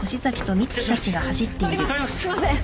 すいません。